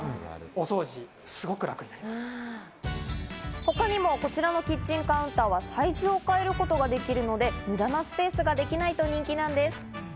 他にもこちらのキッチンカウンターは、サイズを変えることができるので、無駄なスペースができないと人気なんです。